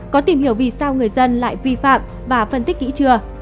có tìm hiểu vì sao người dân lại vi phạm và phân tích kỹ chưa